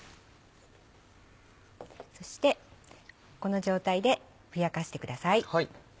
そしてこの状態でふやかしてください。